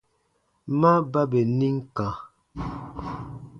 Ma ba bè nim kã.